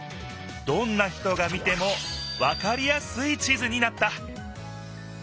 どんな人が見てもわかりやすい地図になった！